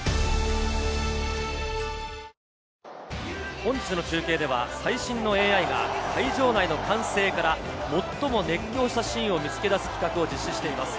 本日の中継では最新のＡＩが会場内の歓声から最も熱狂したシーンを見つけ出す企画を実施しています。